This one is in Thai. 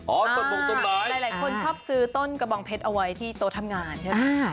หลายคนชอบซื้อต้นกระบองเพชรเอาไว้ที่โตทำงานใช่ไหม